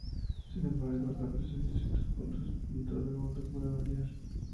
Sin embargo, la precisión de ciertos puntos en todo el modelo puede variar.